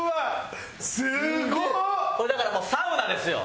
だからもうサウナですよ。